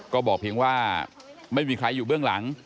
ก็บอกเพียงว่าไม่มีใครอยู่เบื้องหลัง